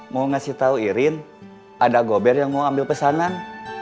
mau ngasih tahu irin ada gober yang mau ambil pesanan